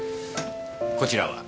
こちらは？